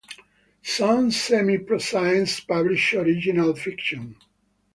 Some semiprozines publish original fiction.